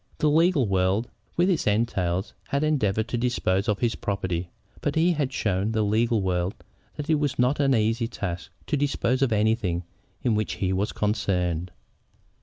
The legal world, with its entails, had endeavored to dispose of his property, but he had shown the legal world that it was not an easy task to dispose of anything in which he was concerned.